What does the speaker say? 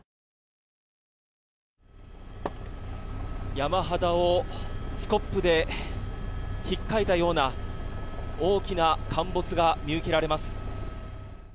山肌をスコップでひっかいたような大きな陥没が見受けられます。